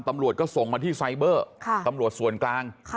ตำรวจก็ส่งมาที่ไซเบอร์ตำรวจส่วนกลาง